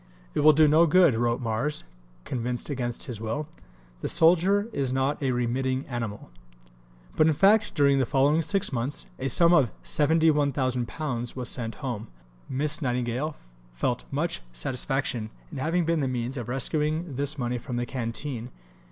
"It will do no good," wrote "Mars," convinced against his will; "the soldier is not a remitting animal." But in fact, during the following six months, a sum of £71,000 was sent home. Miss Nightingale felt much satisfaction in having been the means of "rescuing this money from the canteen."